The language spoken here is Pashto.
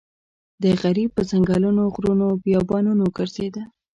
دی غریب په ځنګلونو غرونو بیابانونو ګرځېده.